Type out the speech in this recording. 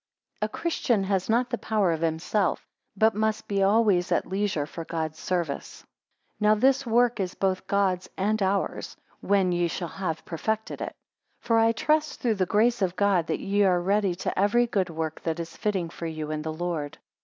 3 A Christian has not the power of himself; but must be always at leisure for God's service. Now this work is both God's and our's; when ye shall have perfected it. 4 For I trust through the grace of God that ye are ready to every good work that is fitting for you in the Lord.